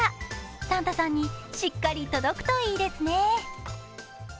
サンタさんにしっかり届くといいですね！